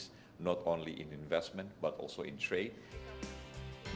bukan hanya dalam investasi tetapi juga dalam perniagaan